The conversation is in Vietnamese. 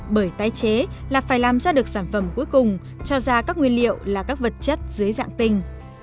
bởi tái chế là phải làm ra được sản phẩm cuối cùng cho ra các nguyên liệu là các vật chất dưới dạng tinh